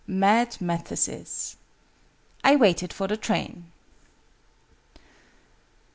MAD MATHESIS. "I waited for the train."